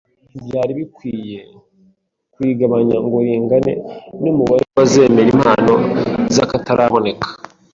Ntibyari bikwiriye kurigabanya ngo ringane n'umubare w'abazemera impano z'akataraboneka